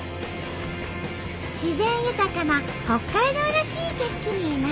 自然豊かな北海道らしい景色になってきたね！